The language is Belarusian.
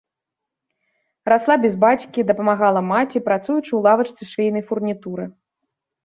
Расла без бацькі, дапамагала маці, працуючы ў лавачцы швейнай фурнітуры.